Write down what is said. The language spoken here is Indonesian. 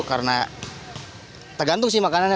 karena tergantung sih makanannya